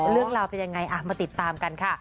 เรื่องราวเป็นยังไงมาติดตามกันค่ะ